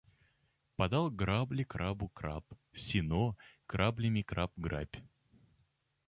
Подал грабли крабу краб: сено, граблями краб грабь